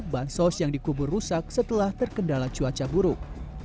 bansos yang dikubur rusak setelah terkendala cuaca buruk